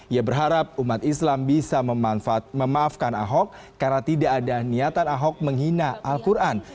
ia berharap umat islam bisa memanfaatkan ahok karena tidak ada niatan ahok menghina al quran